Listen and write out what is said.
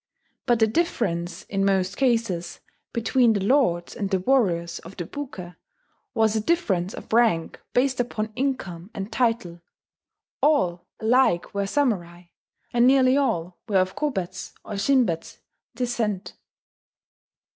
But the difference, in most cases, between the lords and the warriors of the Buke was a difference of rank based upon income and title: all alike were samurai, and nearly all were of Kobetsu or Shinbetsu descent.